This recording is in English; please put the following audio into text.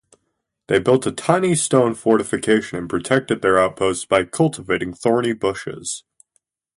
They built a tiny stone fortification and protected their outposts by cultivating thorny bushes.